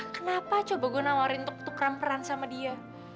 kenapa coba gue nawarin tuk tuk ram peran sama dia